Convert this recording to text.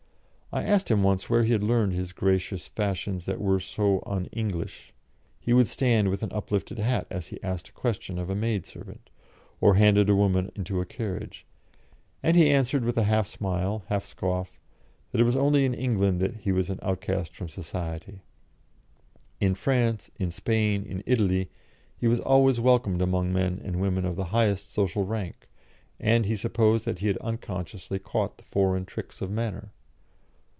I asked him once where he had learned his gracious fashions that were so un English he would stand with uplifted hat as he asked a question of a maidservant, or handed a woman into a carriage and he answered, with a half smile, half scoff, that it was only in England he was an outcast from society. In France, in Spain, in Italy, he was always welcomed among men and women of the highest social rank, and he supposed that he had unconsciously caught the foreign tricks of manner.